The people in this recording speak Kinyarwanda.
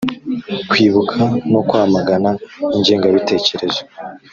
kwibuka no kwamagana ingengabitekerezo